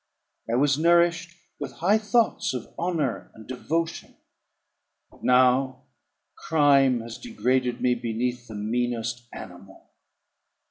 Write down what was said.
I was nourished with high thoughts of honour and devotion. But now crime has degraded me beneath the meanest animal.